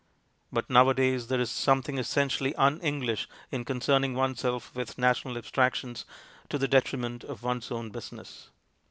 But nowadays there is something essentially un English in concerning oneself with national abstractions to the detriment of one's own business.